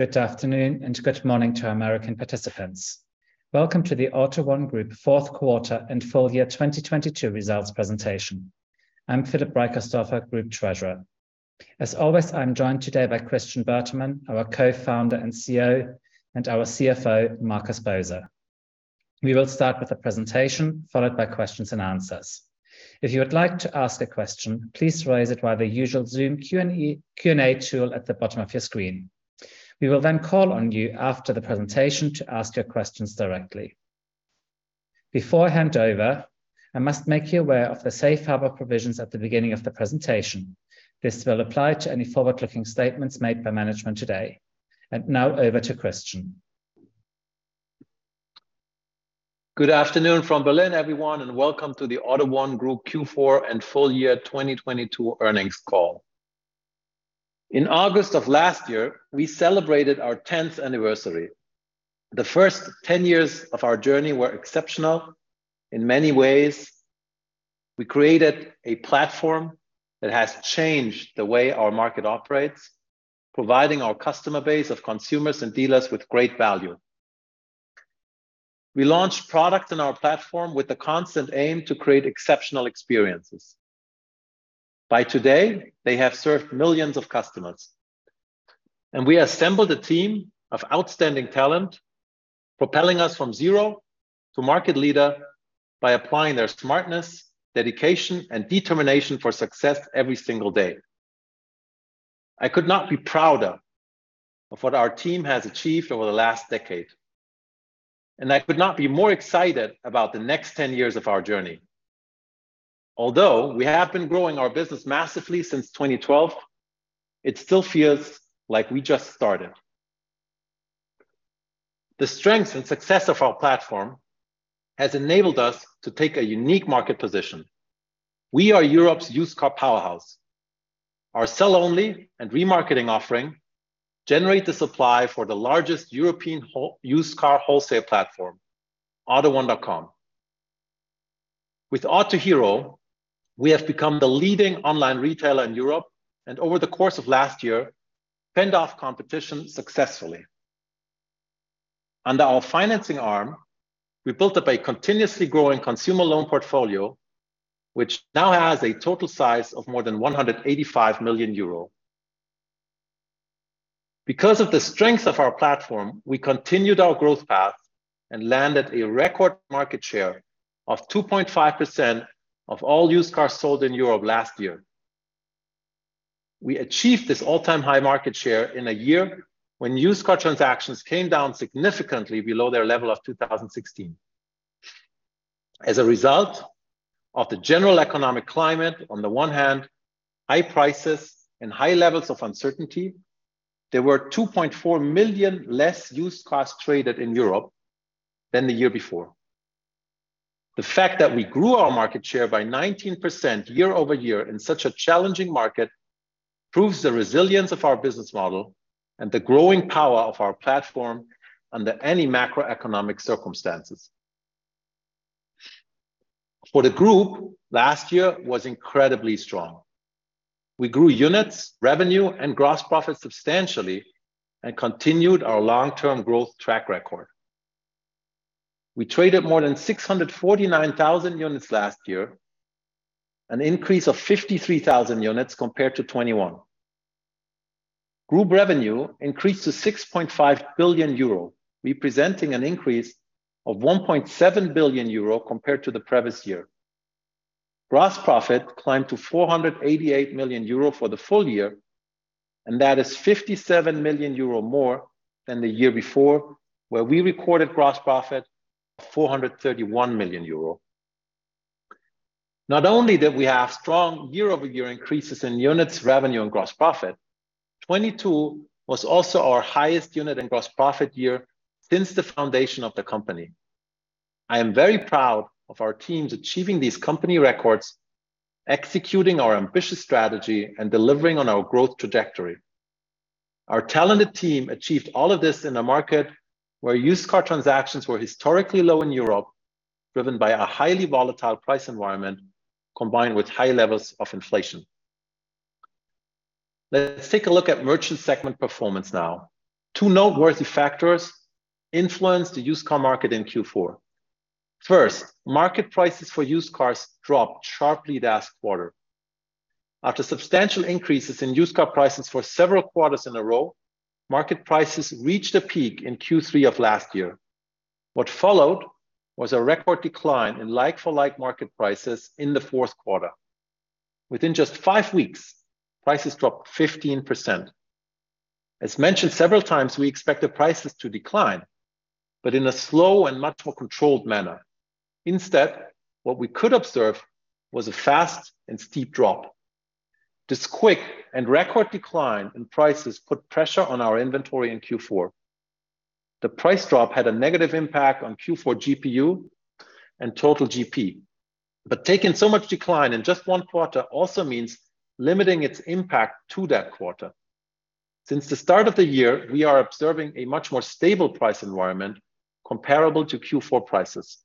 Good afternoon and good morning to our American participants. Welcome to the AUTO1 Group Q4 and Full Year 2022 Results Presentation. I'm Philip Reicherstorfer, Group Treasurer. As always, I'm joined today by Christian Bertermann, our Co-founder and CEO, and our CFO, Markus Boser. We will start with a presentation followed by questions and answers. If you would like to ask a question, please raise it via the usual Zoom Q&A tool at the bottom of your screen. We will then call on you after the presentation to ask your questions directly. Before I hand over, I must make you aware of the safe harbor provisions at the beginning of the presentation. This will apply to any forward-looking statements made by management today. Now over to Christian. Good afternoon from Berlin, everyone, and welcome to the AUTO1 Group Q4 and full year 2022 earnings call. In August of last year, we celebrated our 10th anniversary. The first 10 years of our journey were exceptional in many ways. We created a platform that has changed the way our market operates, providing our customer base of consumers and dealers with great value. We launched products in our platform with the constant aim to create exceptional experiences. By today, they have served millions of customers. We assembled a team of outstanding talent, propelling us from 0 to market leader by applying their smartness, dedication, and determination for success every single day. I could not be prouder of what our team has achieved over the last decade, and I could not be more excited about the next 10 years of our journey. Although we have been growing our business massively since 2012, it still feels like we just started. The strength and success of our platform has enabled us to take a unique market position. We are Europe's used car powerhouse. Our sell only and remarketing offering generate the supply for the largest European used car wholesale platform, AUTO1.com. With Autohero, we have become the leading online retailer in Europe, and over the course of last year, fended off competition successfully. Under our financing arm, we built up a continuously growing consumer loan portfolio, which now has a total size of more than 185 million euro. Of the strength of our platform, we continued our growth path and landed a record market share of 2.5% of all used cars sold in Europe last year. We achieved this all-time high market share in a year when used car transactions came down significantly below their level of 2016. As a result of the general economic climate on the one hand, high prices and high levels of uncertainty, there were 2.4 million less used cars traded in Europe than the year before. The fact that we grew our market share by 19% year-over-year in such a challenging market proves the resilience of our business model and the growing power of our platform under any macroeconomic circumstances. For the group, last year was incredibly strong. We grew units, revenue, and gross profit substantially and continued our long-term growth track record. We traded more than 649,000 units last year, an increase of 53,000 units compared to 2021. Group revenue increased to 6.5 billion euro, representing an increase of 1.7 billion euro compared to the previous year. Gross profit climbed to 488 million euro for the full year, and that is 57 million euro more than the year before, where we recorded gross profit of 431 million euro. Not only did we have strong year-over-year increases in units, revenue and gross profit, 2022 was also our highest unit in gross profit year since the foundation of the company. I am very proud of our teams achieving these company records, executing our ambitious strategy and delivering on our growth trajectory. Our talented team achieved all of this in a market where used car transactions were historically low in Europe, driven by a highly volatile price environment combined with high levels of inflation. Let's take a look at merchant segment performance now. Two noteworthy factors influenced the used car market in Q4. First, market prices for used cars dropped sharply last quarter. After substantial increases in used car prices for several quarters in a row, market prices reached a peak in Q3 of last year. What followed was a record decline in like-for-like market prices in the Q4. Within just five weeks, prices dropped 15%. As mentioned several times, we expected prices to decline, in a slow and much more controlled manner. Instead, what we could observe was a fast and steep drop. This quick and record decline in prices put pressure on our inventory in Q4. The price drop had a negative impact on Q4 GPU and total GP. Taking so much decline in just one quarter also means limiting its impact to that quarter. Since the start of the year, we are observing a much more stable price environment comparable to Q4 prices.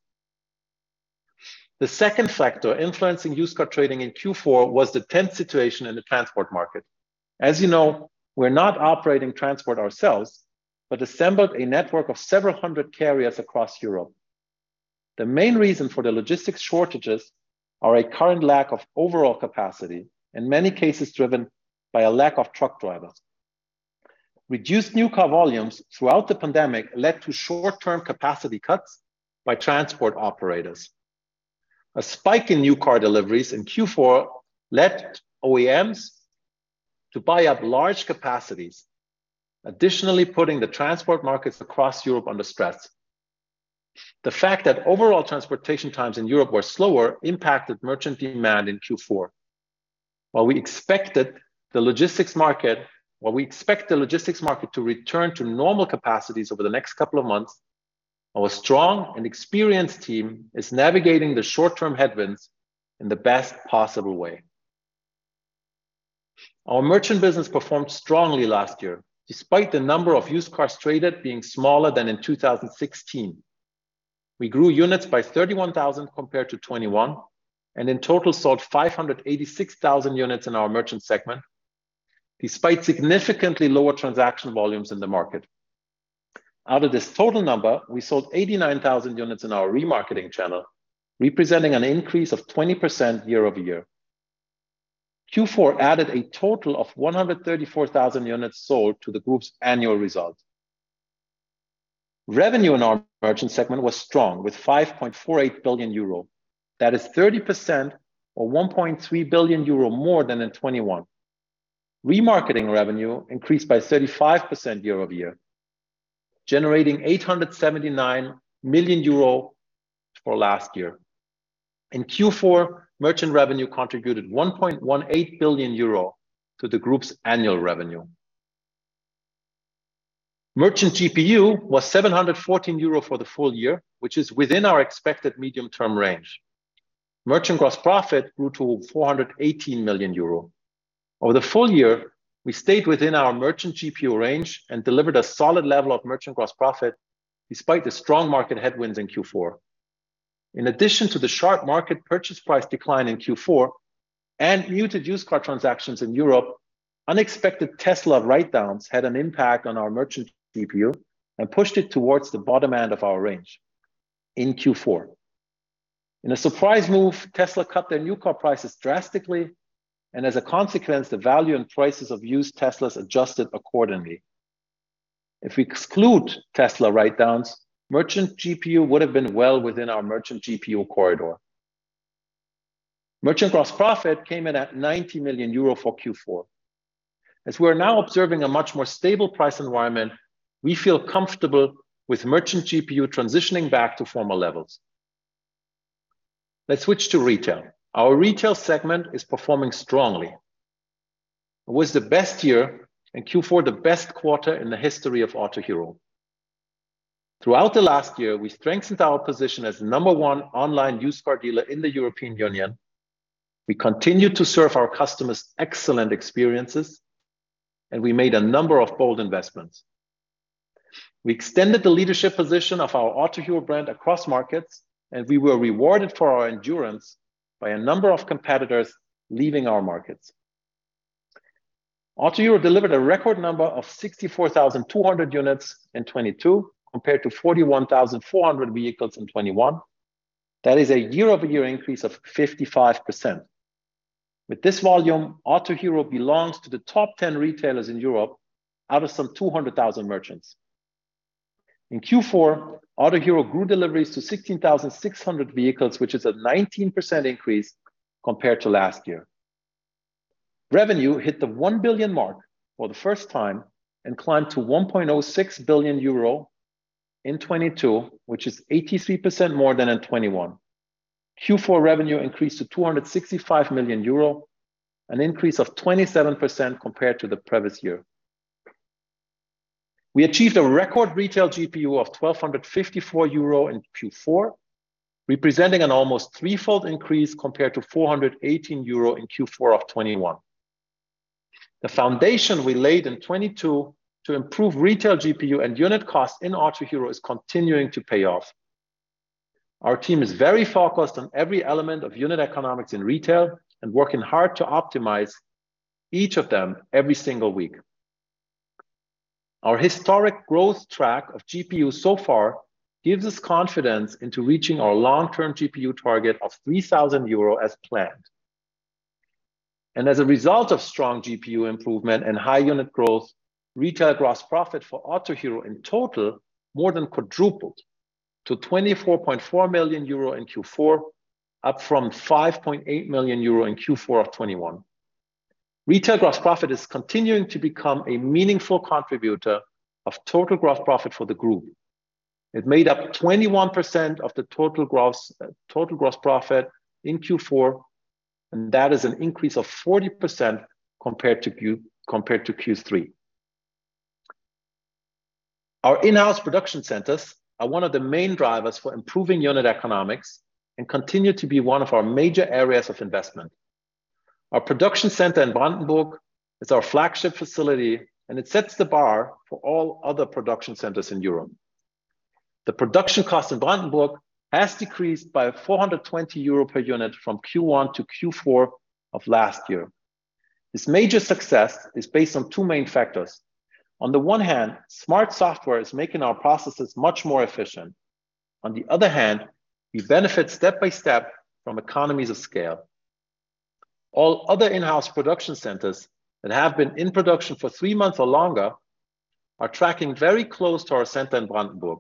The second factor influencing used car trading in Q4 was the tense situation in the transport market. As you know, we're not operating transport ourselves, but assembled a network of several hundred carriers across Europe. The main reason for the logistics shortages are a current lack of overall capacity, in many cases driven by a lack of truck drivers. Reduced new car volumes throughout the pandemic led to short-term capacity cuts by transport operators. A spike in new car deliveries in Q4 led OEMs to buy up large capacities, additionally putting the transport markets across Europe under stress. The fact that overall transportation times in Europe were slower impacted merchant demand in Q4. While we expect the logistics market to return to normal capacities over the next couple of months, our strong and experienced team is navigating the short-term headwinds in the best possible way. Our merchant business performed strongly last year, despite the number of used cars traded being smaller than in 2016. We grew units by 31,000 compared to 2021, and in total sold 586,000 units in our merchant segment, despite significantly lower transaction volumes in the market. Out of this total number, we sold 89,000 units in our remarketing channel, representing an increase of 20% year-over-year. Q4 added a total of 134,000 units sold to the Group's annual result. Revenue in our merchant segment was strong with 5.48 billion euro. That is 30% or 1.3 billion euro more than in 2021. Remarketing revenue increased by 35% year-over-year, generating 879 million euro for last year. In Q4, merchant revenue contributed 1.18 billion euro to the group's annual revenue. Merchant GPU was 714 euro for the full year, which is within our expected medium-term range. Merchant gross profit grew to 418 million euro. Over the full year, we stayed within our merchant GPU range and delivered a solid level of merchant gross profit despite the strong market headwinds in Q4. In addition to the sharp market purchase price decline in Q4 and muted used car transactions in Europe, unexpected Tesla write-downs had an impact on our merchant GPU and pushed it towards the bottom end of our range in Q4. In a surprise move, Tesla cut their new car prices drastically, and as a consequence, the value and prices of used Teslas adjusted accordingly. If we exclude Tesla write-downs, merchant GP would have been well within our merchant GP corridor. Merchant gross profit came in at 90 million euro for Q4. As we are now observing a much more stable price environment, we feel comfortable with merchant GP transitioning back to former levels. Let's switch to retail. Our retail segment is performing strongly. It was the best year in Q4, the best quarter in the history of Autohero. Throughout the last year, we strengthened our position as the number one online used car dealer in the European Union. We continued to serve our customers excellent experiences, and we made a number of bold investments. We extended the leadership position of our Autohero brand across markets, and we were rewarded for our endurance by a number of competitors leaving our markets. Autohero delivered a record number of 64,200 units in 2022, compared to 41,400 vehicles in 2021. That is a year-over-year increase of 55%. With this volume, Autohero belongs to the top 10 retailers in Europe out of some 200,000 merchants. In Q4, Autohero grew deliveries to 16,600 vehicles, which is a 19% increase compared to last year. Revenue hit the 1 billion mark for the first time and climbed to 1.06 billion euro in 2022, which is 83% more than in 2021. Q4 revenue increased to 265 million euro, an increase of 27% compared to the previous year. We achieved a record retail GPU of 1,254 euro in Q4, representing an almost threefold increase compared to 418 euro in Q4 of 2021. The foundation we laid in 2022 to improve retail GPU and unit cost in Autohero is continuing to pay off. Our team is very focused on every element of unit economics in retail and working hard to optimize each of them every single week. Our historic growth track of GPU so far gives us confidence into reaching our long-term GPU target of 3,000 euro as planned. As a result of strong GPU improvement and high unit growth, retail gross profit for Autohero in total more than quadrupled to 24.4 million euro in Q4, up from 5.8 million euro in Q4 of 2021. Retail gross profit is continuing to become a meaningful contributor of total gross profit for the group. It made up 21% of the total gross profit in Q4. That is an increase of 40% compared to Q3. Our in-house production centers are one of the main drivers for improving unit economics and continue to be one of our major areas of investment. Our production center in Brandenburg is our flagship facility. It sets the bar for all other production centers in Europe. The production cost in Brandenburg has decreased by 420 euro per unit from Q1 to Q4 of last year. This major success is based on two main factors. On the one hand, smart software is making our processes much more efficient. On the other hand, we benefit step-by-step from economies of scale. All other in-house production centers that have been in production for three months or longer are tracking very close to our center in Brandenburg.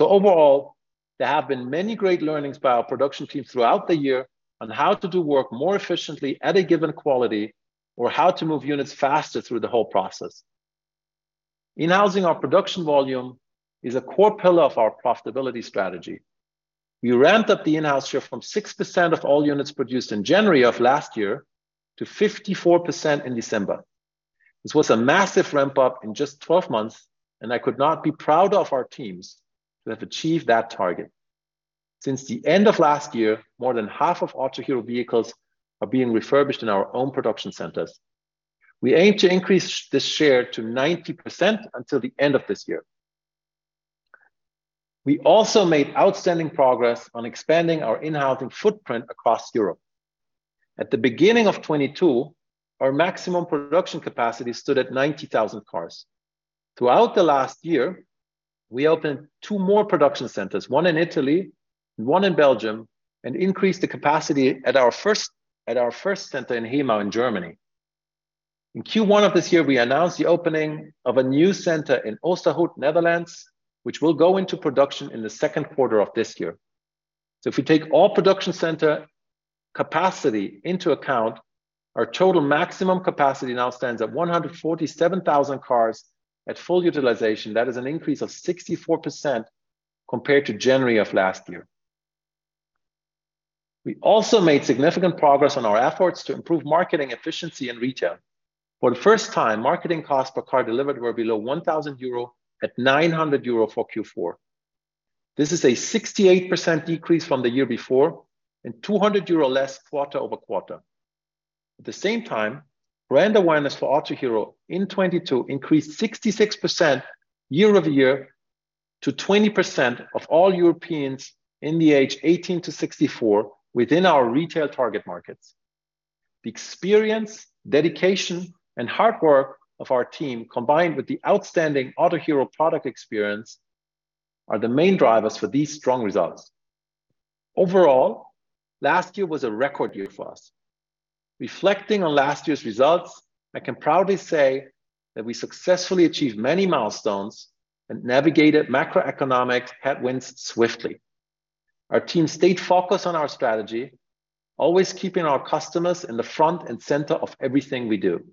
Overall, there have been many great learnings by our production team throughout the year on how to do work more efficiently at a given quality, or how to move units faster through the whole process. In-housing our production volume is a core pillar of our profitability strategy. We ramped up the in-house share from 6% of all units produced in January of last year to 54% in December. This was a massive ramp-up in just 12 months, and I could not be proud of our teams to have achieved that target. Since the end of last year, more than half of Autohero vehicles are being refurbished in our own production centers. We aim to increase this share to 90% until the end of this year. We also made outstanding progress on expanding our in-housing footprint across Europe. At the beginning of 2022, our maximum production capacity stood at 90,000 cars. Throughout the last year, we opened two more production centers, one in Italy and one in Belgium, and increased the capacity at our first center in Hemau in Germany. In Q1 of this year, we announced the opening of a new center in Oosterhout, Netherlands, which will go into production in the second quarter of this year. If we take all production center capacity into account, our total maximum capacity now stands at 147,000 cars at full utilization. That is an increase of 64% compared to January of last year. We also made significant progress on our efforts to improve marketing efficiency and retail. For the first time, marketing costs per car delivered were below 1,000 euro at 900 euro for Q4. This is a 68% decrease from the year before and 200 euro less quarter-over-quarter. At the same time, brand awareness for Autohero in 2022 increased 66% year-over-year to 20% of all Europeans in the age 18 to 64 within our retail target markets. The experience, dedication, and hard work of our team, combined with the outstanding Autohero product experience, are the main drivers for these strong results. Overall, last year was a record year for us. Reflecting on last year's results, I can proudly say that we successfully achieved many milestones and navigated macroeconomic headwinds swiftly. Our team stayed focused on our strategy, always keeping our customers in the front and center of everything we do.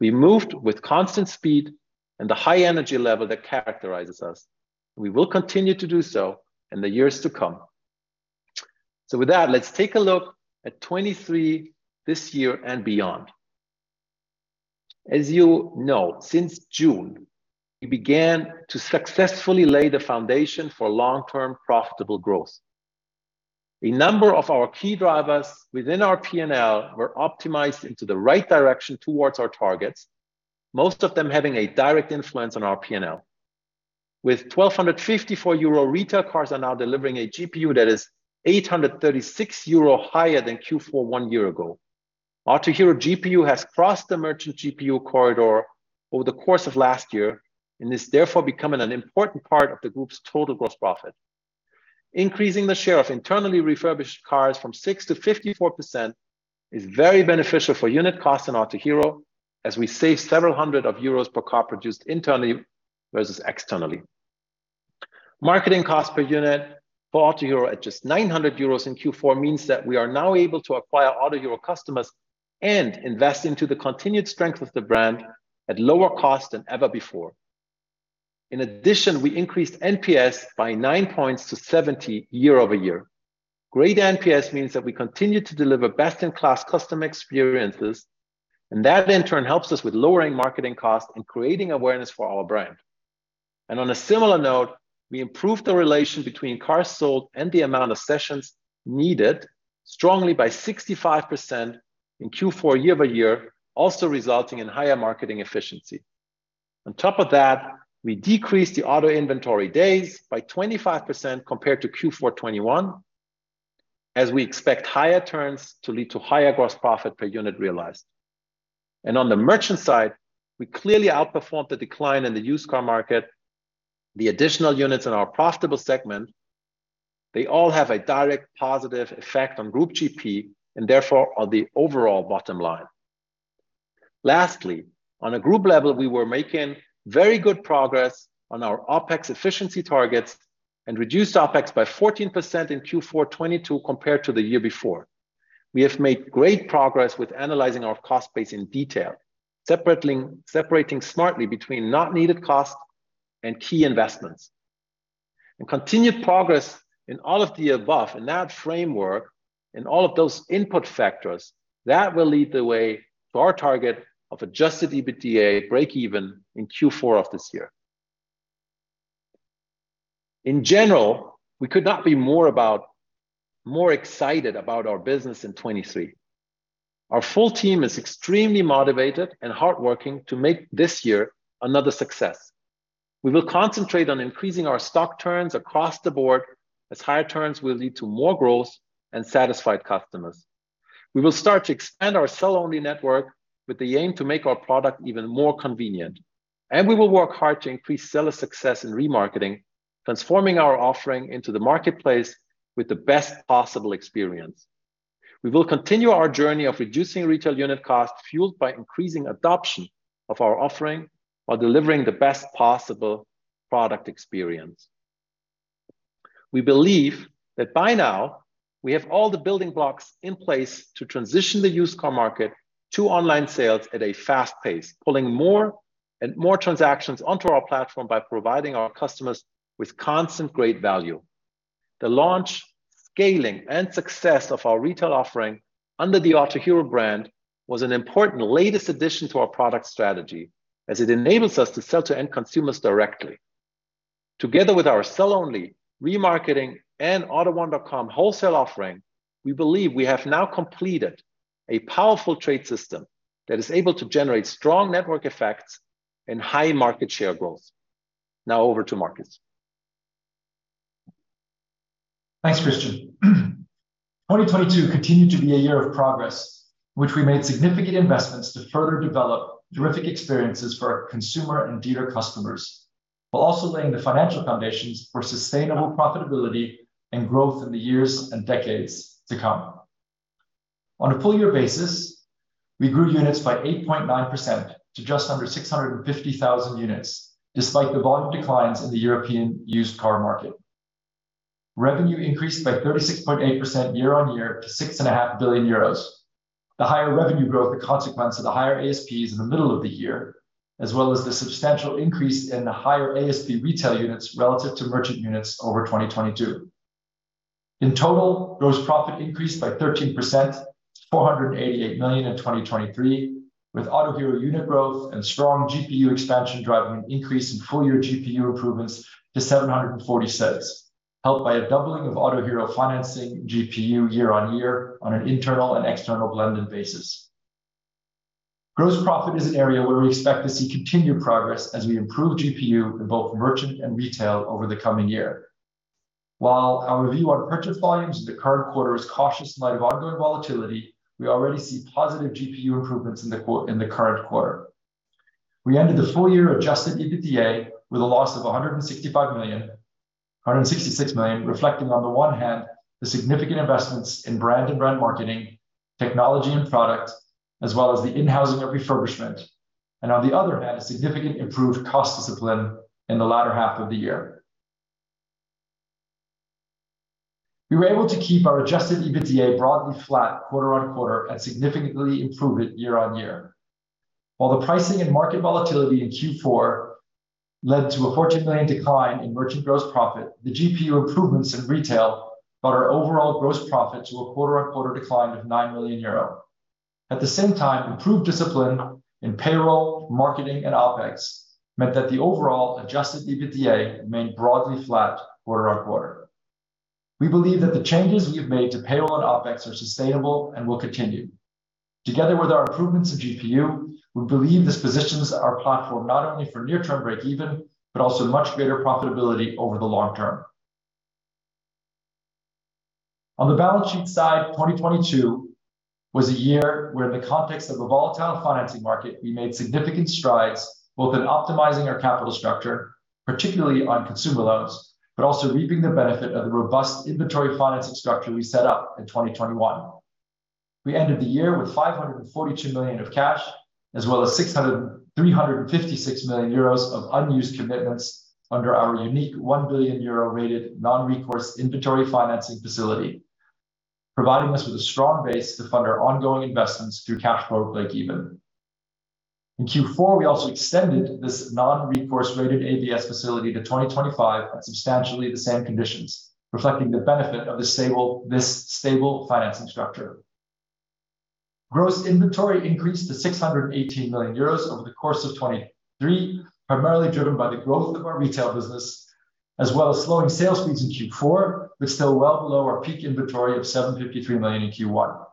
We moved with constant speed and the high energy level that characterizes us, and we will continue to do so in the years to come. With that, let's take a look at 2023 this year and beyond. As you know, since June, we began to successfully lay the foundation for long-term profitable growth. A number of our key drivers within our P&L were optimized into the right direction towards our targets, most of them having a direct influence on our P&L. With 1,254 euro retail cars are now delivering a GPU that is 836 euro higher than Q4 one year ago. Autohero GPU has crossed the merchant GPU corridor over the course of last year and is therefore becoming an important part of the group's total gross profit. Increasing the share of internally refurbished cars from 6 to 54% is very beneficial for unit cost in Autohero as we save several hundred EUR per car produced internally versus externally. Marketing cost per unit for Autohero at just 900 euros in Q4 means that we are now able to acquire Autohero customers and invest into the continued strength of the brand at lower cost than ever before. In addition, we increased NPS by 9 points to 70 year-over-year. Great NPS means that we continue to deliver best-in-class customer experiences. That in turn helps us with lowering marketing costs and creating awareness for our brand. On a similar note, we improved the relation between cars sold and the amount of sessions needed strongly by 65% in Q4 year-over-year, also resulting in higher marketing efficiency. On top of that, we decreased the auto inventory days by 25% compared to Q4 2021, as we expect higher turns to lead to higher gross profit per unit realized. On the merchant side, we clearly outperformed the decline in the used car market. The additional units in our profitable segment, they all have a direct positive effect on group GP and therefore on the overall bottom line. Lastly, on a group level, we were making very good progress on our OpEx efficiency targets and reduced OpEx by 14% in Q4 2022 compared to the year before. We have made great progress with analyzing our cost base in detail, separately, separating smartly between not needed cost and key investments. Continued progress in all of the above in that framework and all of those input factors, that will lead the way to our target of Adjusted EBITDA breakeven in Q4 of this year. In general, we could not be more excited about our business in 23. Our full team is extremely motivated and hardworking to make this year another success. We will concentrate on increasing our stock turns across the board, as higher turns will lead to more growth and satisfied customers. We will start to expand our sell-only network with the aim to make our product even more convenient, and we will work hard to increase seller success in remarketing, transforming our offering into the marketplace with the best possible experience. We will continue our journey of reducing retail unit costs fueled by increasing adoption of our offering while delivering the best possible product experience. We believe that by now we have all the building blocks in place to transition the used car market to online sales at a fast pace, pulling more and more transactions onto our platform by providing our customers with constant great value. The launch, scaling, and success of our retail offering under the Autohero brand was an important latest addition to our product strategy as it enables us to sell to end consumers directly. Together with our sell-only, remarketing, and AUTO1.com wholesale offering, we believe we have now completed a powerful trade system that is able to generate strong network effects and high market share growth. Over to Markus. Thanks, Christian. 2022 continued to be a year of progress in which we made significant investments to further develop terrific experiences for our consumer and dealer customers, while also laying the financial foundations for sustainable profitability and growth in the years and decades to come. On a full year basis, we grew units by 8.9% to just under 650,000 units, despite the volume declines in the European used car market. Revenue increased by 36.8% year-on-year to six and a half billion EUR. The higher revenue growth, the consequence of the higher ASPs in the middle of the year, as well as the substantial increase in the higher ASP retail units relative to merchant units over 2022. In total, gross profit increased by 13% to 488 million in 2023, with Autohero unit growth and strong GPU expansion driving an increase in full year GPU improvements to 7.40, helped by a doubling of Autohero financing GPU year-on-year on an internal and external blended basis. Gross profit is an area where we expect to see continued progress as we improve GPU in both merchant and retail over the coming year. While our view on purchase volumes in the current quarter is cautious in light of ongoing volatility, we already see positive GPU improvements in the current quarter. We ended the full year Adjusted EBITDA with a loss of 166 million, reflecting on the one hand, the significant investments in brand and brand marketing, technology and product, as well as the in-housing of refurbishment. On the other hand, a significant improved cost discipline in the latter half of the year. We were able to keep our Adjusted EBITDA broadly flat quarter-over-quarter and significantly improve it year-over-year. While the pricing and market volatility in Q4 led to a 40 million decline in merchant gross profit, the GPU improvements in retail brought our overall gross profit to a quarter-over-quarter decline of 9 million euro. At the same time, improved discipline in payroll, marketing and OpEx meant that the overall Adjusted EBITDA remained broadly flat quarter-over-quarter. We believe that the changes we have made to payroll and OpEx are sustainable and will continue. Together with our improvements in GPU, we believe this positions our platform not only for near-term break even, but also much greater profitability over the long term. On the balance sheet side, 2022 was a year where in the context of a volatile financing market, we made significant strides both in optimizing our capital structure, particularly on consumer loans, but also reaping the benefit of the robust inventory financing structure we set up in 2021. We ended the year with 542 million of cash, as well as 356 million euros of unused commitments under our unique 1 billion euro rated non-recourse inventory financing facility, providing us with a strong base to fund our ongoing investments through cash flow break even. In Q4, we also extended this non-recourse rated ABS facility to 2025 at substantially the same conditions, reflecting the benefit of the stable, this stable financing structure. Gross inventory increased to 618 million euros over the course of 2023, primarily driven by the growth of our retail business, as well as slowing sales speeds in Q4, but still well below our peak inventory of 753 million in Q1.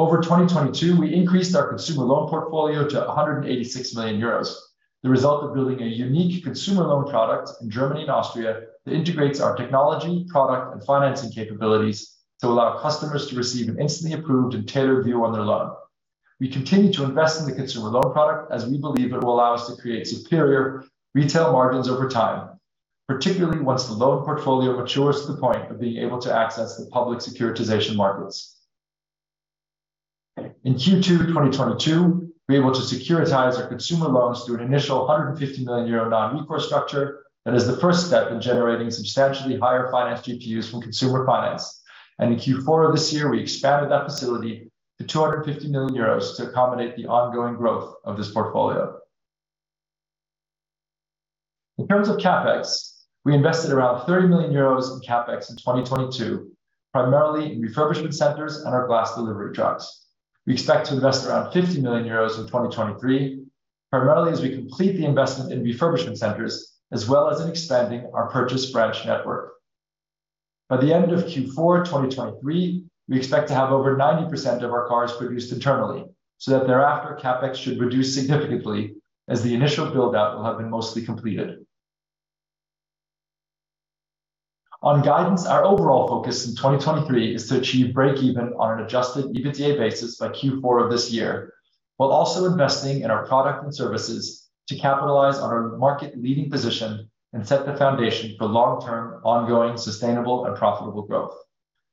Over 2022, we increased our consumer loan portfolio to 186 million euros, the result of building a unique consumer loan product in Germany and Austria that integrates our technology, product, and financing capabilities to allow customers to receive an instantly approved and tailored view on their loan. We continue to invest in the consumer loan product as we believe it will allow us to create superior retail margins over time, particularly once the loan portfolio matures to the point of being able to access the public securitization markets. In Q2 2022, we were able to securitize our consumer loans through an initial 150 million euro non-recourse structure. That is the first step in generating substantially higher finance GPUs from consumer finance. In Q4 of this year, we expanded that facility to 250 million euros to accommodate the ongoing growth of this portfolio. In terms of CapEx, we invested around 30 million euros in CapEx in 2022. Primarily in refurbishment centers and our glass delivery trucks. We expect to invest around 50 million euros in 2023, primarily as we complete the investment in refurbishment centers, as well as in expanding our purchase branch network. By the end of Q4 2023, we expect to have over 90% of our cars produced internally, so that thereafter CapEx should reduce significantly as the initial build-out will have been mostly completed. On guidance, our overall focus in 2023 is to achieve breakeven on an Adjusted EBITDA basis by Q4 of this year, while also investing in our product and services to capitalize on our market-leading position and set the foundation for long-term, ongoing, sustainable, and profitable growth.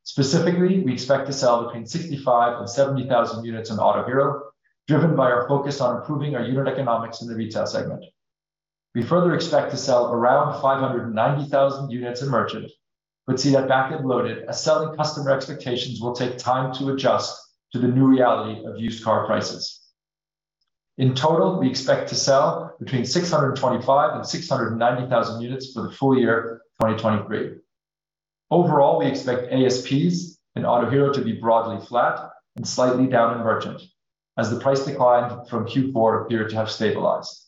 Specifically, we expect to sell between 65,000 and 70,000 units on Autohero, driven by our focus on improving our unit economics in the retail segment. We further expect to sell around 590,000 units in merchant, see that back and loaded, as selling customer expectations will take time to adjust to the new reality of used car prices. In total, we expect to sell between 625,000 and 690,000 units for the full year 2023. Overall, we expect ASPs in Autohero to be broadly flat and slightly down in merchant as the price decline from Q4 appear to have stabilized.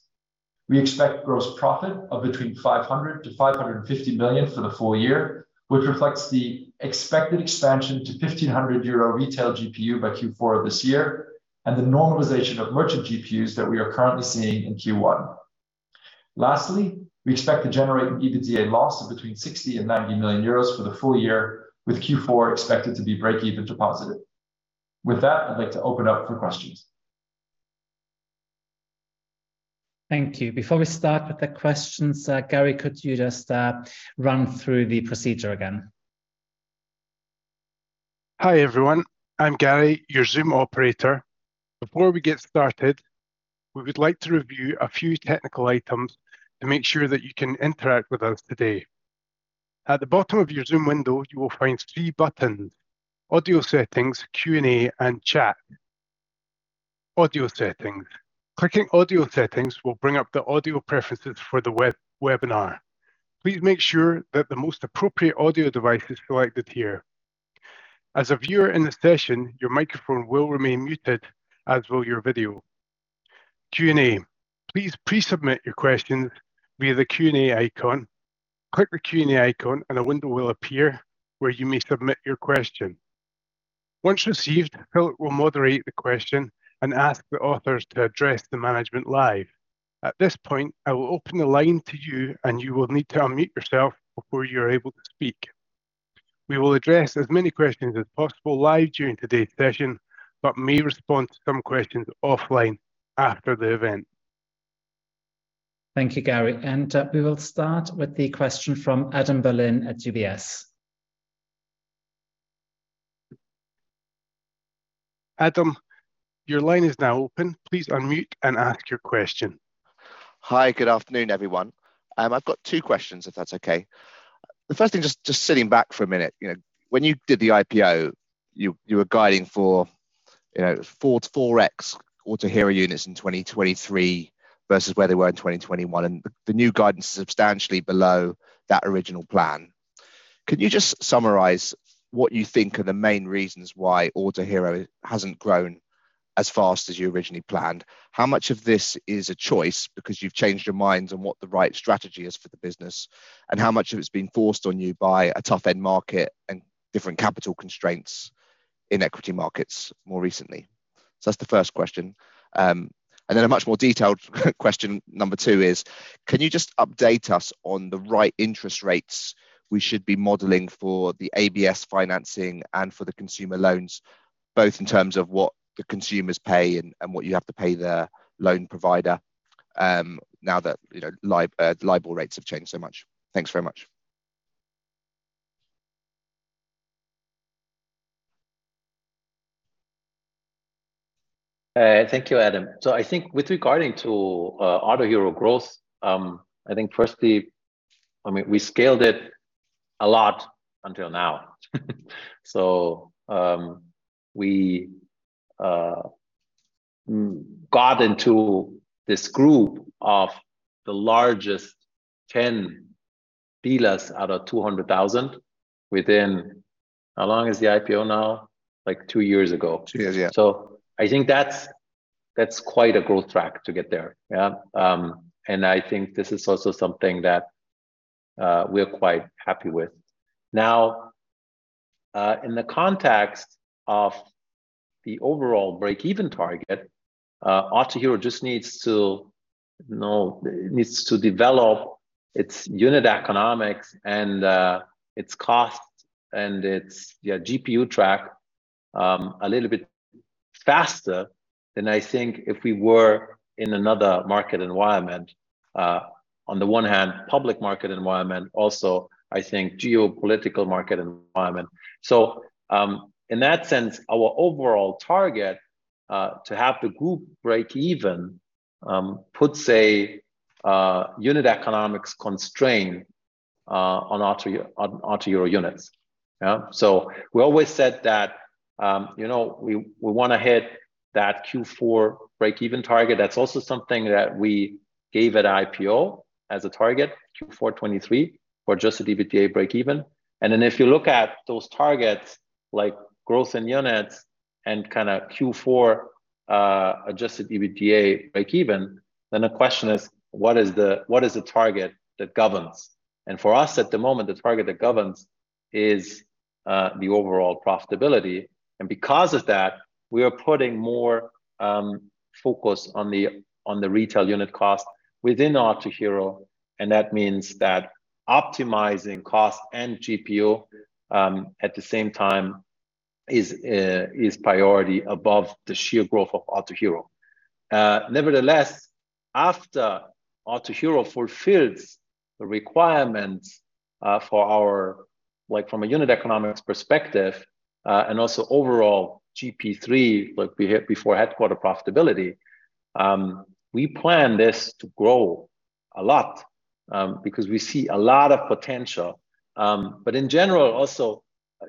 We expect gross profit of between 500 million and 550 million for the full year, which reflects the expected expansion to 1,500 euro retail GPU by Q4 this year and the normalization of merchant GPUs that we are currently seeing in Q1. We expect to generate an EBITDA loss of between 60 million and 90 million euros for the full year, with Q4 expected to be breakeven to positive. With that, I'd like to open up for questions. Thank you. Before we start with the questions, Gary, could you just run through the procedure again? Hi, everyone. I'm Gary, your Zoom operator. Before we get started, we would like to review a few technical items to make sure that you can interact with us today. At the bottom of your Zoom window, you will find three buttons: Audio Settings, Q&A, and Chat. Audio Settings. Clicking Audio Settings will bring up the audio preferences for the web-webinar. Please make sure that the most appropriate audio device is selected here. As a viewer in the session, your microphone will remain muted, as will your video. Q&A. Please pre-submit your questions via the Q&A icon. Click the Q&A icon and a window will appear where you may submit your question. Once received, Philip will moderate the question and ask the authors to address the management live. At this point, I will open the line to you, and you will need to unmute yourself before you're able to speak. We will address as many questions as possible live during today's session, but may respond to some questions offline after the event. Thank you, Gary. We will start with the question from Adam Berlin at UBS. Adam, your line is now open. Please unmute and ask your question. Hi, good afternoon, everyone. I've got 2 questions if that's okay. The first thing, just sitting back for a minute, you know, when you did the IPO, you were guiding for, you know, 4-4x Autohero units in 2023 versus where they were in 2021, and the new guidance is substantially below that original plan. Could you just summarize what you think are the main reasons why Autohero hasn't grown as fast as you originally planned? How much of this is a choice because you've changed your mind on what the right strategy is for the business? How much of it's been forced on you by a tough end market and different capital constraints in equity markets more recently? That's the first question. A much more detailed question number 2 is, can you just update us on the right interest rates we should be modeling for the ABS financing and for the consumer loans, both in terms of what the consumers pay and what you have to pay their loan provider, now that, you know, rates have changed so much? Thanks very much. Thank you, Adam. I think with regarding to Autohero growth, I think firstly, I mean, we scaled it a lot until now. We got into this group of the largest 10 dealers out of 200,000 within... How long is the IPO now? Like two years ago. Two years, yeah. I think that's quite a growth track to get there, yeah. I think this is also something that we're quite happy with. In the context of the overall breakeven target, Autohero just needs to, you know, needs to develop its unit economics and its costs and its, yeah, GPU track a little bit faster than I think if we were in another market environment. On the one hand, public market environment, also, I think geopolitical market environment. In that sense, our overall target to have the group breakeven puts a unit economics constraint on Autohero units. Yeah. We always said that You know, we wanna hit that Q4 breakeven target. That's also something that we gave at IPO as a target, Q4 2023, for Adjusted EBITDA breakeven. If you look at those targets like growth in units and kinda Q4, Adjusted EBITDA breakeven, the question is what is the target that governs? For us at the moment, the target that governs is the overall profitability. Because of that, we are putting more focus on the retail unit cost within Autohero, and that means that optimizing cost and GPU at the same time is priority above the sheer growth of Autohero. Nevertheless, after Autohero fulfills the requirements, like from a unit economics perspective, and also overall GP three, like before headquarter profitability, we plan this to grow a lot, because we see a lot of potential. In general also,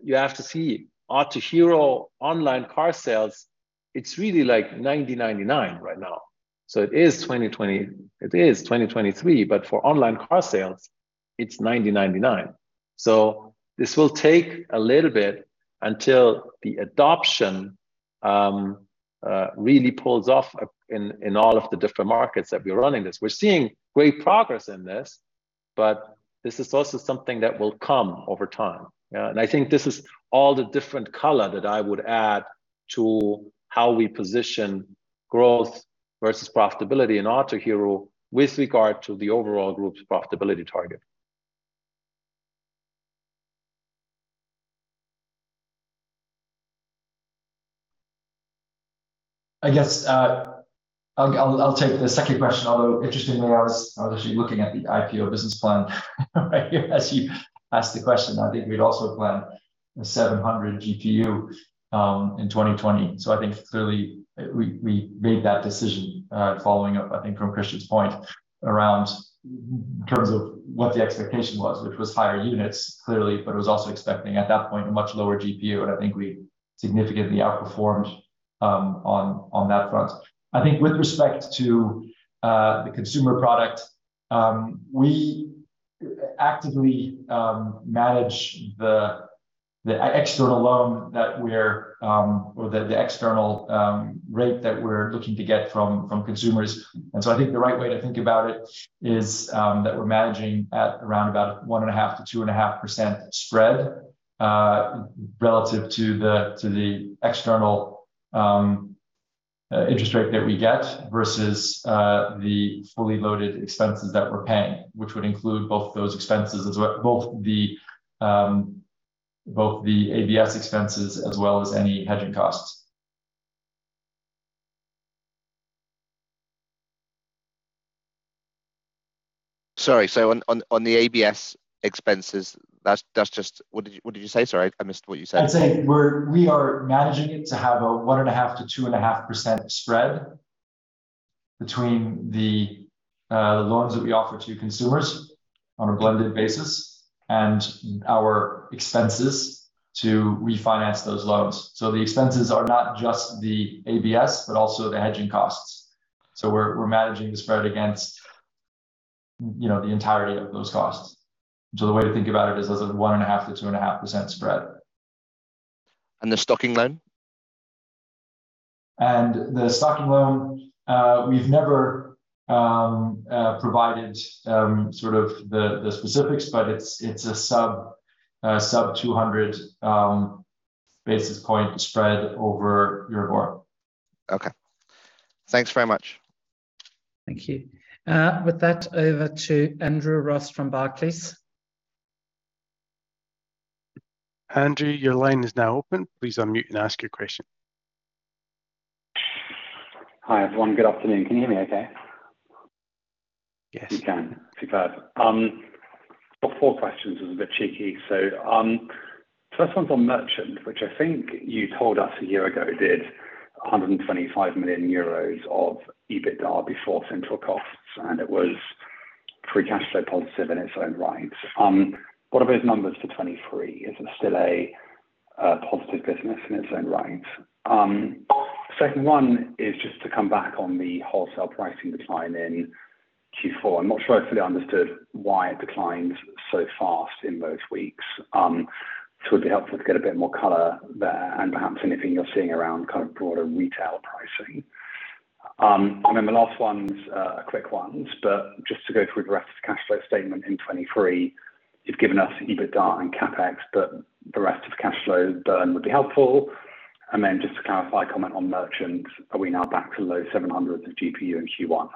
you have to see Autohero online car sales, it's really like 1999 right now. It is 2023, but for online car sales it's 1999. This will take a little bit until the adoption, really pulls off in all of the different markets that we're running this. We're seeing great progress in this, but this is also something that will come over time. Yeah. I think this is all the different color that I would add to how we position growth versus profitability in Autohero with regard to the overall Group's profitability target. I guess, I'll take the second question, although interestingly, I was actually looking at the IPO business plan right as you asked the question. I think we'd also planned a 700 GPU in 2020. I think clearly we made that decision following up, I think from Christian's point around in terms of what the expectation was, which was higher units clearly, but it was also expecting at that point a much lower GPU. I think we significantly outperformed on that front. I think with respect to the consumer product, we actively manage the external loan that we're or the external rate that we're looking to get from consumers. I think the right way to think about it is, that we're managing at around about 1.5%-2.5% spread, relative to the, to the external, interest rate that we get versus, the fully loaded expenses that we're paying, which would include both those expenses both the ABS expenses as well as any hedging costs. Sorry. On the ABS expenses, that's just... What did you say? Sorry, I missed what you said. I'd say we are managing it to have a 1.5% to 2.5% spread between the loans that we offer to consumers on a blended basis and our expenses to refinance those loans. The expenses are not just the ABS, but also the hedging costs. We're managing the spread against, you know, the entirety of those costs. The way to think about it is as a 1.5% to 2.5% spread. The stocking loan? The stocking loan, we've never provided sort of the specifics, but it's a sub 200 basis point spread over Euribor. Okay. Thanks very much. Thank you. With that over to Andrew Ross from Barclays. Andrew, your line is now open. Please unmute and ask your question. Hi, everyone. Good afternoon. Can you hear me okay? Yes. You can. Superb. Got four questions. This is a bit cheeky. First one's on merchant, which I think you told us a year ago did 125 million euros of EBITDA before central costs, and it was free cash flow positive in its own right. What are those numbers for 2023? Is it still a positive business in its own right? Second one is just to come back on the wholesale pricing decline in Q4. I'm not sure I fully understood why it declined so fast in those weeks. It'd be helpful to get a bit more color there and perhaps anything you're seeing around kind of broader retail pricing. The last one's a quick one, but just to go through the rest of cash flow statement in 2023, you've given us EBITDA and CapEx, but the rest of cash flow burn would be helpful. Just to clarify, comment on merchant. Are we now back to low 700 of GPU in Q1?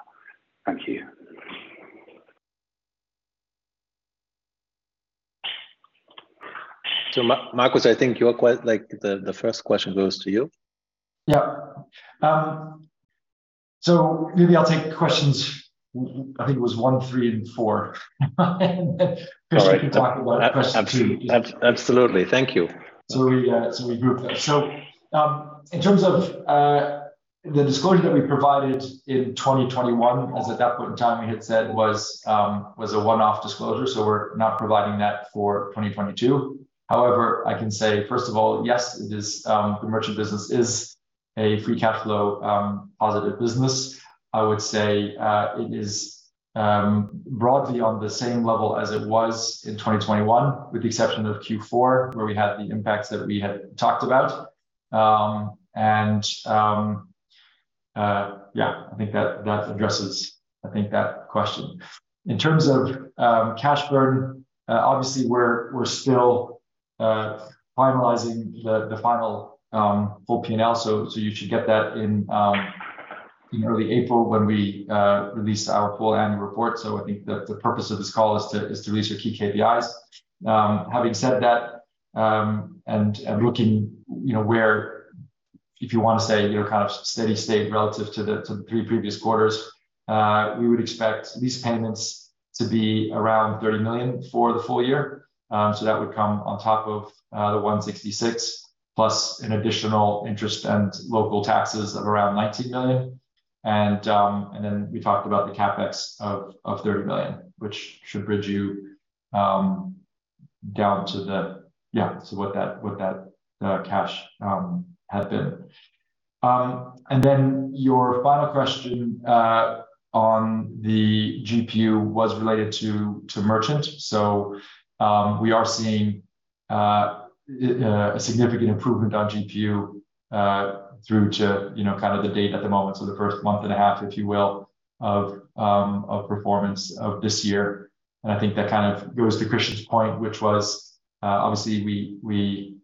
Thank you. Markus, I think your like the first question goes to you. Yeah. Maybe I'll take questions I think it was 1, 3, and 4. Christian can talk about question 2. Absolutely. Thank you. We group those. In terms of, The disclosure that we provided in 2021 was at that point in time we had said was a one-off disclosure, so we're not providing that for 2022. However, I can say, first of all, yes, it is, the merchant business is a free cash flow, positive business. I would say, it is, broadly on the same level as it was in 2021, with the exception of Q4, where we had the impacts that we had talked about. Yeah, I think that addresses, I think, that question. In terms of, cash burn, obviously we're still, finalizing the final, full P&L. You should get that in early April when we, release our full annual report. I think the purpose of this call is to release your key KPIs. Having said that, and looking, you know, where, if you wanna say your kind of steady state relative to the three previous quarters, we would expect lease payments to be around 30 million for the full year. That would come on top of 166, plus an additional interest and local taxes of around 19 million. Then we talked about the CapEx of 30 million, which should bridge you down to the... Yeah, so what that cash had been. Then your final question on the GPU was related to merchant. We are seeing a significant improvement on GPU through to, you know, kind of the date at the moment. The first month and a half, if you will, of performance of this year. I think that kind of goes to Christian's point, which was, obviously we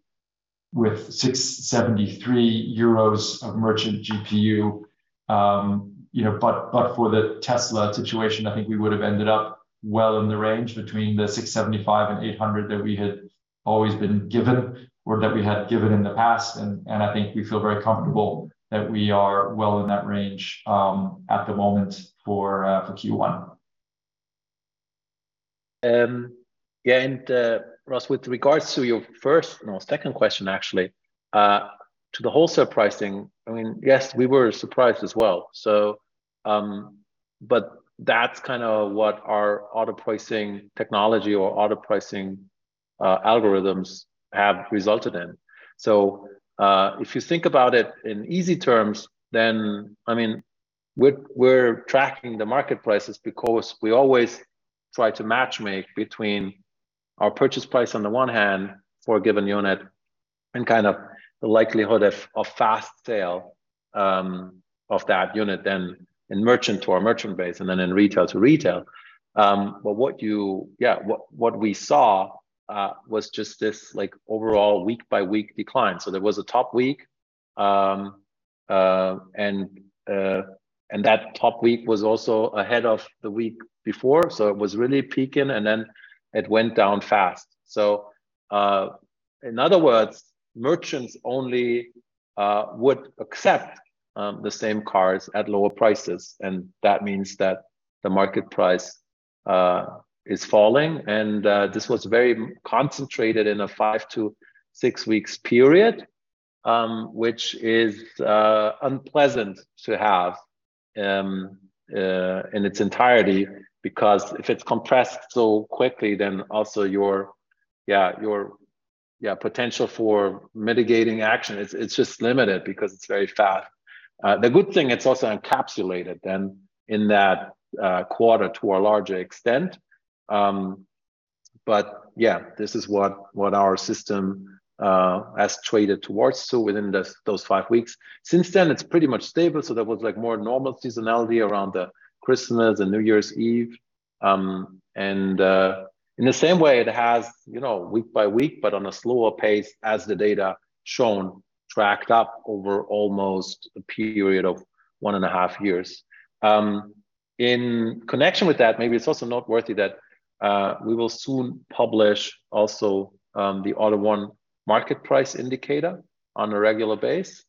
with 673 euros of merchant GPU, you know. But for the Tesla situation, I think we would have ended up well in the range between 675 and 800 that we had always been given or that we had given in the past. I think we feel very comfortable that we are well in that range at the moment for Q1. Yeah. Ross, with regards to your first, no, second question actually, to the wholesale pricing, I mean, yes, we were surprised as well. But that's kinda what our auto pricing technology or auto pricing algorithms have resulted in. If you think about it in easy terms, then, I mean, we're tracking the market prices because we always try to match-make between our purchase price on the one hand for a given unit, and kind of the likelihood of fast sale of that unit then in merchant to our merchant base and then in retail to retail. What we saw was just this like overall week by week decline. There was a top week, and that top week was also ahead of the week before, so it was really peaking and then it went down fast. In other words, merchants only would accept the same cars at lower prices, and that means that the market price is falling. This was very concentrated in a 5-6 weeks period, which is unpleasant to have in its entirety. If it's compressed so quickly, then also your potential for mitigating action, it's just limited because it's very fast. The good thing, it's also encapsulated then in that quarter to a larger extent. Yeah, this is what our system has traded towards. Within those 5 weeks. Since then, it's pretty much stable, there was like more normal seasonality around the Christmas and New Year's Eve. In the same way it has, you know, week by week, but on a slower pace as the data shown tracked up over almost a period of 1.5 years. In connection with that, maybe it's also noteworthy that we will soon publish also the AUTO1 Group Price Index on a regular base.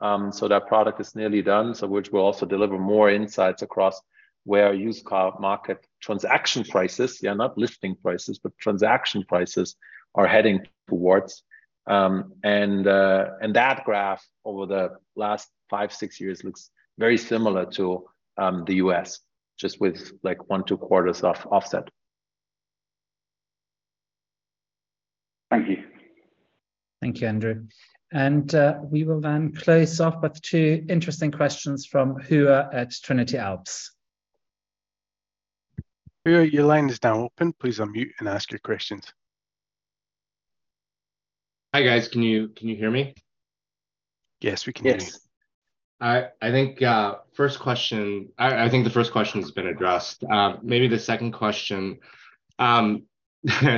That product is nearly done, which will also deliver more insights across where used car market transaction prices, not listing prices, but transaction prices are heading towards. That graph over the last 5-6 years looks very similar to the US just with like 1-2 quarters of offset. Thank you. Thank you, Andrew. We will then close off with 2 interesting questions from Hua at Trinity Alps. Hua, your line is now open. Please unmute and ask your questions. Hi, guys. Can you hear me? Yes, we can hear you. Yes. I think, first question. I think the first question has been addressed. Maybe the second question,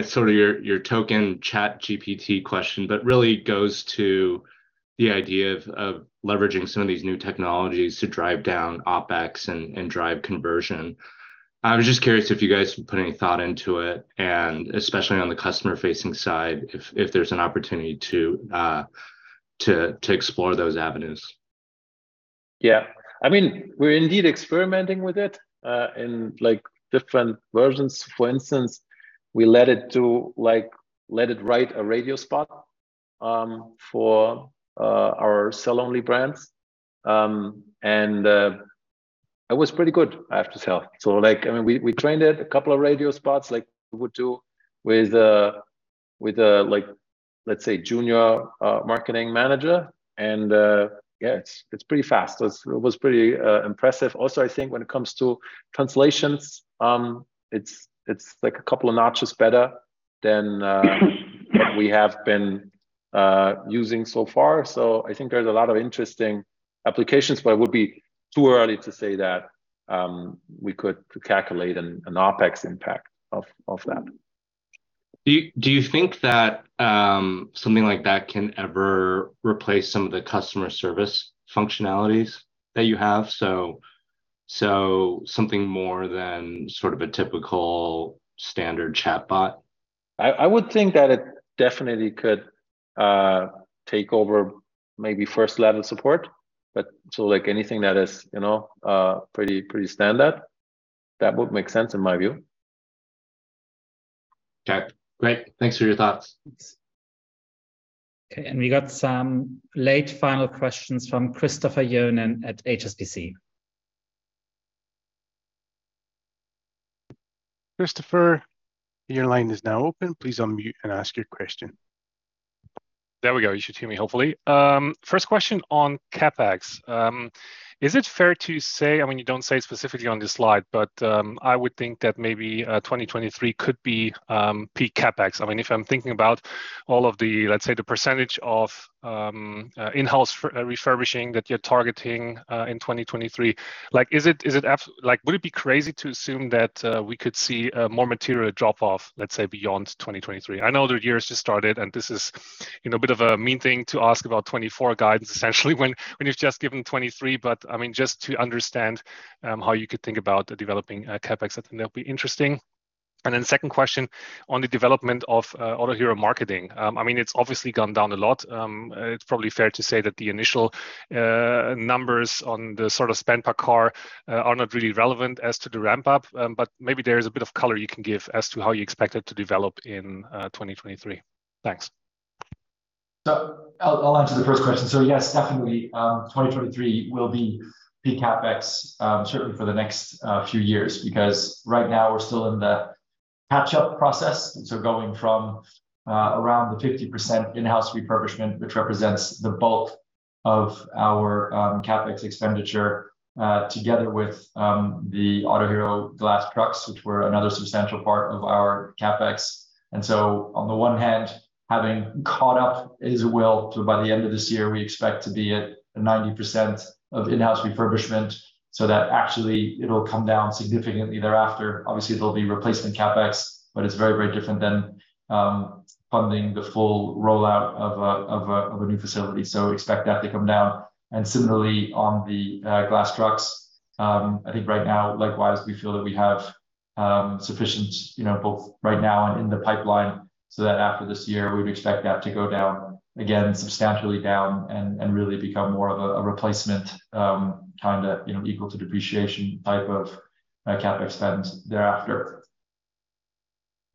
sort of your token ChatGPT question, but really goes to the idea of leveraging some of these new technologies to drive down OpEx and drive conversion. I was just curious if you guys put any thought into it, and especially on the customer-facing side, if there's an opportunity to explore those avenues. Yeah. I mean, we're indeed experimenting with it, in like different versions. For instance, we led it to Let it write a radio spot, for our sell-only brands. It was pretty good, I have to say. Like, I mean, we trained it a couple of radio spots like we would do with a, with a like let's say junior marketing manager and, yeah, it's pretty fast. It was pretty impressive. Also, I think when it comes to translations, it's like a couple of notches better than what we have been using so far. I think there's a lot of interesting applications, but it would be too early to say that, we could calculate an OpEx impact of that. Do you think that something like that can ever replace some of the customer service functionalities that you have? Something more than sort of a typical standard chatbot. I would think that it definitely could take over maybe first level support, like anything that is, you know, pretty standard, that would make sense in my view. Okay, great. Thanks for your thoughts. Okay. We got some late final questions from Christoph-Raphael Uhrenbacher at HSBC. Christopher, your line is now open. Please unmute and ask your question. There we go. You should hear me, hopefully. First question on CapEx. I mean, you don't say it specifically on this slide, but, I would think that maybe, 2023 could be peak CapEx. I mean, if I'm thinking about all of the, let's say, the percentage of, in-house refurbishing that you're targeting, in 2023, like, is it, would it be crazy to assume that, we could see a more material drop-off, let's say, beyond 2023? I know the year has just started, and this is, you know, a bit of a mean thing to ask about 2024 guidance essentially when you've just given 2023. I mean, just to understand, how you could think about developing, CapEx, I think that'll be interesting. Second question on the development of Autohero marketing. I mean, it's obviously gone down a lot. It's probably fair to say that the initial numbers on the sort of spend per car are not really relevant as to the ramp up. Maybe there is a bit of color you can give as to how you expect it to develop in 2023. Thanks. I'll answer the first question. Yes, definitely, 2023 will be peak CapEx, certainly for the next few years, because right now we're still in the catch-up process. Going from around the 50% in-house refurbishment, which represents the bulk of our CapEx expenditure, together with the Autohero glass trucks, which were another substantial part of our CapEx. On the one hand, having caught up as a will to, by the end of this year, we expect to be at 90% of in-house refurbishment. That actually it'll come down significantly thereafter. Obviously, there'll be replacement CapEx, but it's very, very different than funding the full rollout of a new facility. Expect that to come down. Similarly, on the glass trucks, I think right now, likewise, we feel that we have sufficient, you know, both right now and in the pipeline, so that after this year we'd expect that to go down, again, substantially down and really become more of a replacement, kinda, you know, equal to depreciation type of CapEx spend thereafter.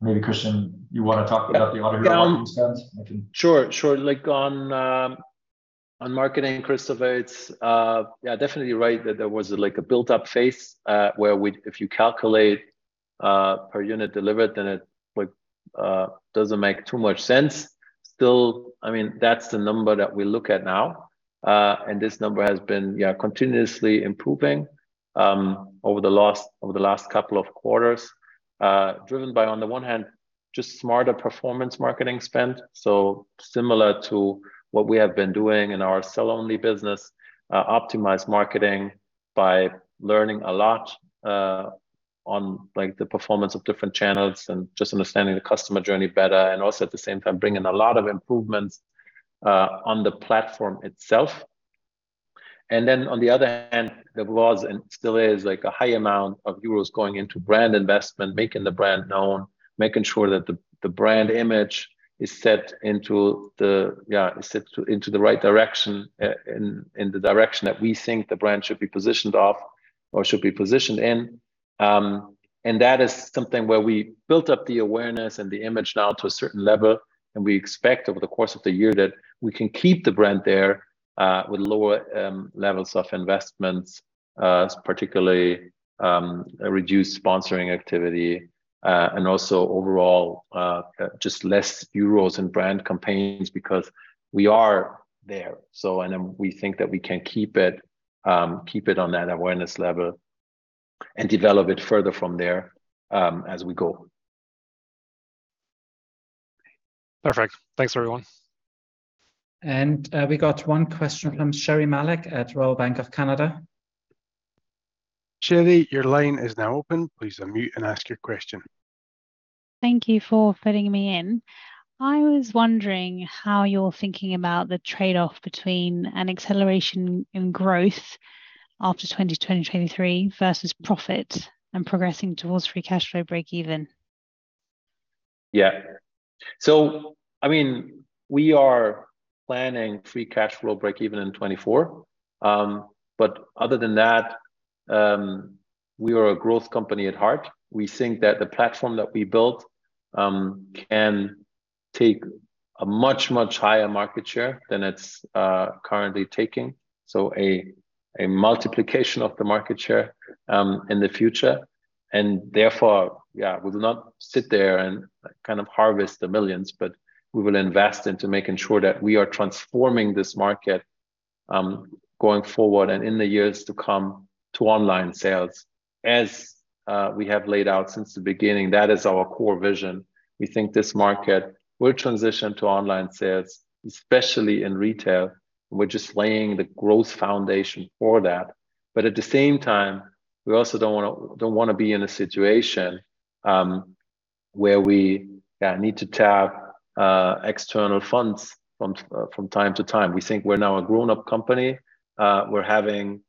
Maybe Christian, you wanna talk about the Autohero marketing spend? Sure, sure. Like on marketing, Christopher, it's, yeah, definitely right that there was like a built up phase, if you calculate per unit delivered, then it like, doesn't make too much sense. Still, I mean, that's the number that we look at now. This number has been, yeah, continuously improving over the last, over the last couple of quarters, driven by, on the one hand, just smarter performance marketing spend. Similar to what we have been doing in our sell-only business, optimize marketing by learning a lot on like the performance of different channels and just understanding the customer journey better, and also at the same time bringing a lot of improvements on the platform itself. On the other hand, there was and still is like a high amount of EUR going into brand investment, making the brand known, making sure that the brand image is set into the right direction, in the direction that we think the brand should be positioned of or should be positioned in. That is something where we built up the awareness and the image now to a certain level, and we expect over the course of the year that we can keep the brand there with lower levels of investments, particularly reduced sponsoring activity, and also overall just less EUR in brand campaigns because we are there. We think that we can keep it on that awareness level and develop it further from there, as we go. Perfect. Thanks, everyone. We got one question from Shreyas Patel at Royal Bank of Canada. Shreyas, your line is now open. Please unmute and ask your question. Thank you for fitting me in. I was wondering how you're thinking about the trade-off between an acceleration in growth after 2020, 2023 versus profit and progressing towards free cash flow break even. Yeah. I mean, we are planning free cash flow break even in 2024. Other than that, we are a growth company at heart. We think that the platform that we built can take a much, much higher market share than it's currently taking. A multiplication of the market share in the future. Therefore, yeah, we'll not sit there and kind of harvest the millions, but we will invest into making sure that we are transforming this market going forward and in the years to come to online sales. We have laid out since the beginning, that is our core vision. We think this market will transition to online sales, especially in retail. We're just laying the growth foundation for that. At the same time, we also don't wanna be in a situation where we need to tap external funds from time to time. We think we're now a grown-up company. We're having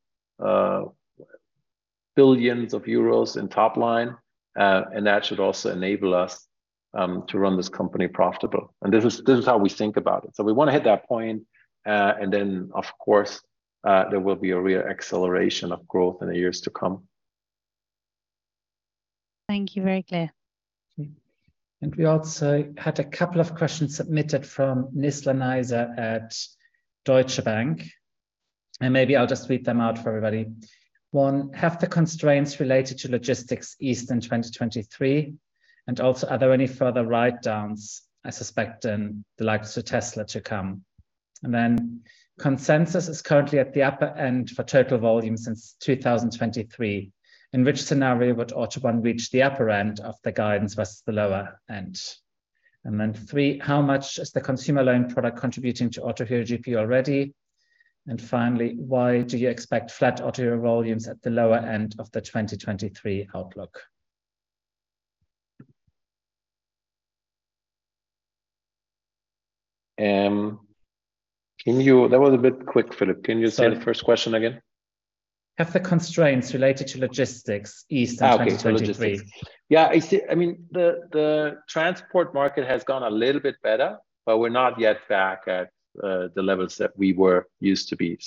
billions of EUR in top line, and that should also enable us to run this company profitable. This is how we think about it. We wanna hit that point, and then of course, there will be a real acceleration of growth in the years to come. Thank you. Very clear. Okay. We also had a couple of questions submitted from Nizla Naizer at Deutsche Bank, maybe I'll just read them out for everybody. One, have the constraints related to logistics eased in 2023? Also, are there any further write-downs, I suspect, in the likes of Tesla to come? Consensus is currently at the upper end for total volume since 2023. In which scenario would AUTO1 Group reach the upper end of the guidance versus the lower end? Three, how much is the consumer loan product contributing to Autohero GP already? Finally, why do you expect flat Autohero volumes at the lower end of the 2023 outlook? That was a bit quick, Philip. Can you say- Sorry... the first question again? Have the constraints related to logistics eased in 2023? Okay, logistics. Yeah. You see, I mean, the transport market has gone a little bit better, but we're not yet back at the levels that we were used to be.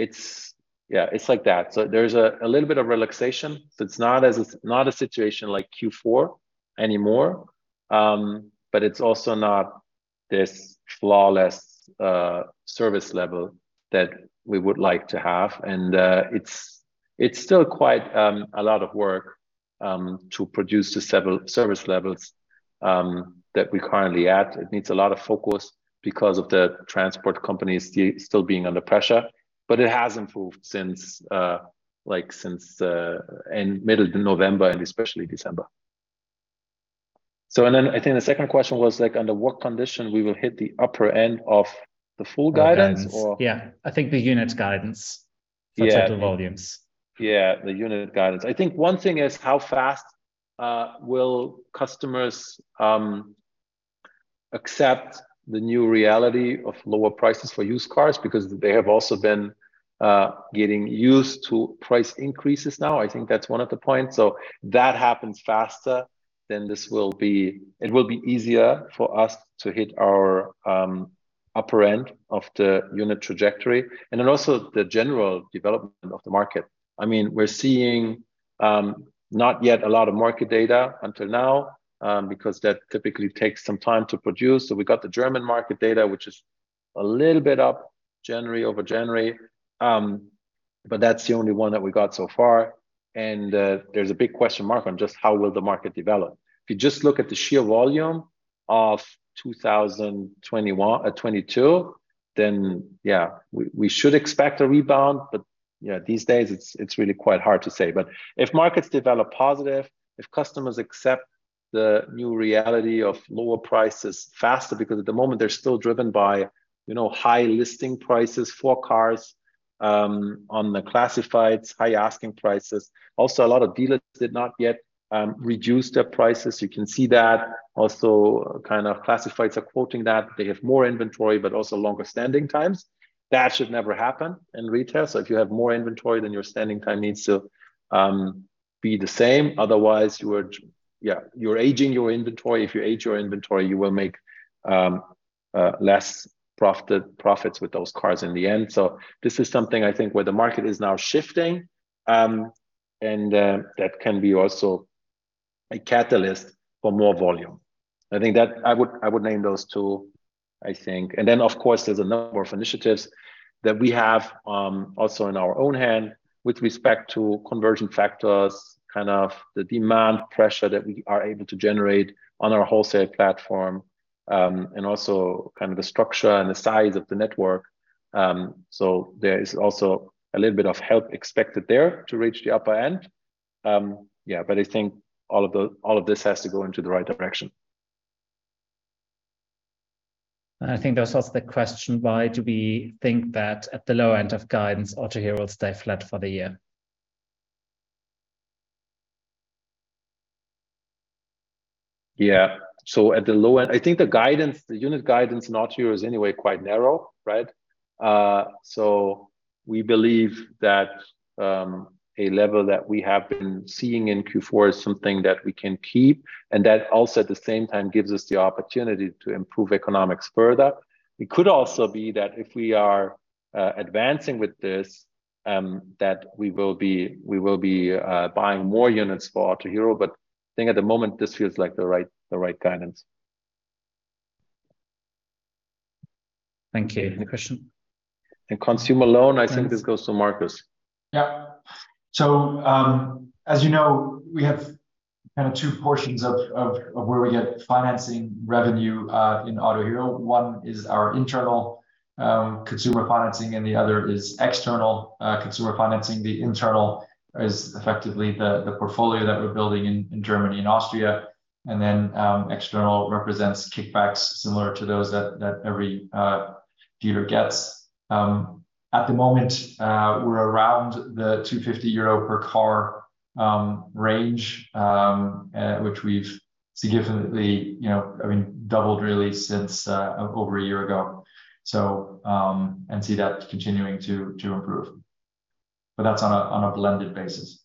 It's, yeah, it's like that. There's a little bit of relaxation. It's not a situation like Q4 anymore, but it's also not this flawless service level that we would like to have. It's, it's still quite a lot of work to produce the service levels that we're currently at. It needs a lot of focus because of the transport companies still being under pressure. It has improved since, like, since, in middle November and especially December. I think the second question was, like, under what condition we will hit the upper end of the full guidance? Full guidance... or? Yeah. I think the unit guidance- Yeah... for total volumes. Yeah, the unit guidance. I think one thing is how fast will customers accept the new reality of lower prices for used cars because they have also been getting used to price increases now. I think that's one of the points. That happens faster, then it will be easier for us to hit our upper end of the unit trajectory. Then also the general development of the market. I mean, we're seeing not yet a lot of market data until now, because that typically takes some time to produce. We got the German market data, which is a little bit up January, over January. That's the only one that we got so far. There's a big question mark on just how will the market develop. If you just look at the sheer volume of 2021, 2022, then yeah, we should expect a rebound. Yeah, these days it's really quite hard to say. If markets develop positive, if customers accept the new reality of lower prices faster, because at the moment they're still driven by, you know, high listing prices for cars on the classifieds, high asking prices. A lot of dealers did not yet reduce their prices. You can see that also kind of classifieds are quoting that they have more inventory, but also longer standing times. That should never happen in retail. If you have more inventory, then your standing time needs to be the same. Otherwise, yeah, you're aging your inventory. If you age your inventory, you will make less profits with those cars in the end. This is something I think where the market is now shifting, and that can be also a catalyst for more volume. I think that I would name those two, I think. Then, of course, there's a number of initiatives that we have also in our own hand with respect to conversion factors, kind of the demand pressure that we are able to generate on our wholesale platform, and also kind of the structure and the size of the network. There is also a little bit of help expected there to reach the upper end. Yeah, but I think all of this has to go into the right direction. I think there was also the question, why do we think that at the low end of guidance, Autohero will stay flat for the year? Yeah. At the low end, I think the guidance, the unit guidance in Autohero is anyway quite narrow, right? We believe that, a level that we have been seeing in Q4 is something that we can keep, and that also at the same time gives us the opportunity to improve economics further. It could also be that if we are advancing with this, that we will be, buying more units for Autohero. I think at the moment this feels like the right, the right guidance. Thank you. Any question? In consumer loan- Yeah I think this goes to Marcus. Yep. As you know, we have kind of two portions of where we get financing revenue in Autohero. One is our internal consumer financing, and the other is external consumer financing. The internal is effectively the portfolio that we're building in Germany and Austria. External represents kickbacks similar to those that every dealer gets. At the moment, we're around the 250 euro per car range, which we've significantly, you know, I mean, doubled really since over a year ago. And see that continuing to improve. That's on a blended basis.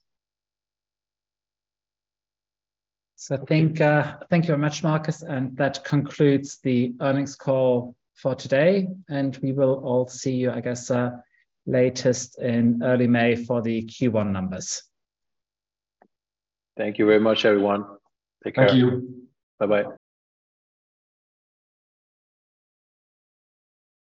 Thank you very much, Marcus. That concludes the earnings call for today. We will all see you, I guess, latest in early May for the Q1 numbers. Thank you very much, everyone. Take care. Thank you. Bye-bye.